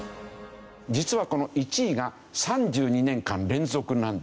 実はこの１位が３２年間連続なんですよ。